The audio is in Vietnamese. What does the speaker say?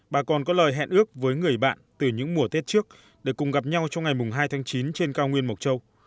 bà còn có lời hẹn ước với người bạn từ những mùa tết trước để cùng gặp nhau trong ngày hai tháng chín trên cao nguyên mộc châu